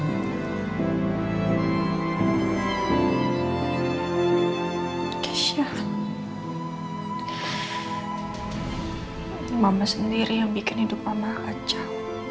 mama sendiri yang bikin hidup mama kacau